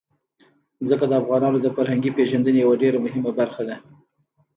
ځمکه د افغانانو د فرهنګي پیژندنې یوه ډېره مهمه برخه ده.